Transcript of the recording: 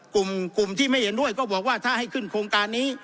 กลุ่มที่ไม่เห็นด้วยก็บอกว่าถ้าให้ขึ้นโครงการนี้